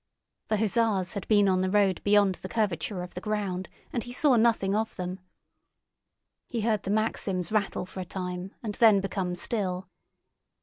The hussars had been on the road beyond the curvature of the ground, and he saw nothing of them. He heard the Maxims rattle for a time and then become still.